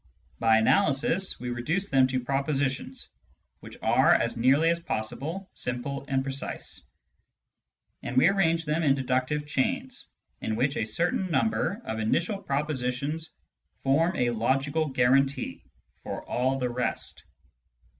By analysis we reduce them to pro positions which are as nearly as possible simple and precise, and we arrange them in deductive chains, in which a certain number of initial propositions form a logical guarantee for all the rest.